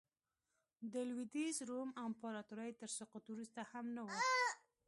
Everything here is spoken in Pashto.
د لوېدیځ روم امپراتورۍ تر سقوط وروسته هم نه و